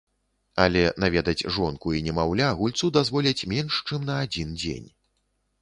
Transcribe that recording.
Але наведаць жонку і немаўля гульцу дазволяць менш чым на адзін дзень.